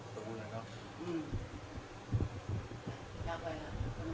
คนข้างคนไหนคนเผาใช่ไหม